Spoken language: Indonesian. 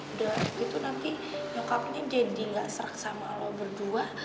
udah gitu nanti lengkapnya jadi gak serak sama allah berdua